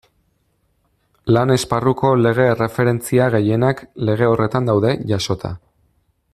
Lan-esparruko lege-erreferentzia gehienak lege horretan daude jasota.